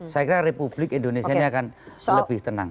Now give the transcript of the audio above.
saya kira republik indonesia ini akan lebih tenang